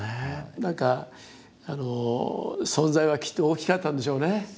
何か存在はきっと大きかったんでしょうね。